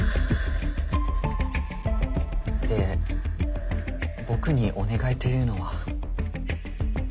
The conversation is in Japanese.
で僕にお願いというのは？